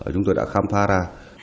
chúng tôi đã khám phá ra